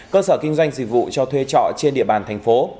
cơ sở kinh doanh dịch vụ cho thuê trọ trên địa bàn thành phố